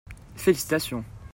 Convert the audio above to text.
Félicitations.